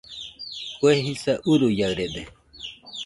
Kue jisa uruiaɨrede